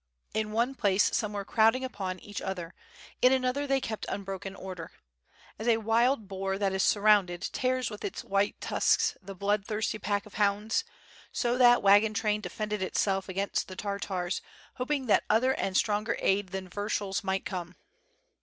In one place some were crowding upon each other, in another they kept unbroken order. As a wild boar that is surrounded tears with his white tusks the blood thirsty pack of hounds, so that wagon train defended itself against the Tartars, hoping that other and stronger aid than Viyershul's might come.